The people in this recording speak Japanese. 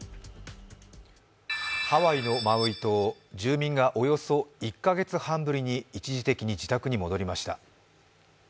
ハワイのマウイ島、住民がおよそ１か月半ぶりに一時的に自宅に戻りました。